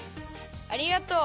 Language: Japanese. ありがとう。